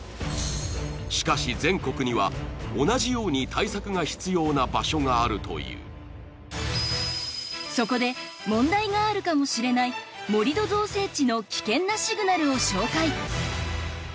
しかし同じようにあるというそこで問題があるかもしれない盛り土造成地の危険なシグナルを紹介